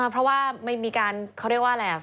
เพราะว่ามีการเขาเรียกว่าอะไร